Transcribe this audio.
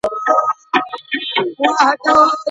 منځګړي د خاوند او ميرمني تر منځ د روغي مسئوليت او صلاحيت لري.